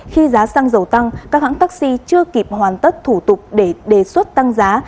khi giá xăng dầu tăng các hãng taxi chưa kịp hoàn tất thủ tục để đề xuất tăng giá